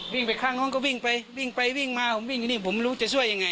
วิ่งไปข้างนู้นก็วิ่งไปวิ่งไปวิ่งมาผมวิ่งอยู่นี่ผมไม่รู้จะช่วยยังไง